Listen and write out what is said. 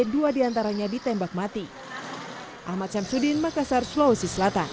dua diantaranya ditembak mati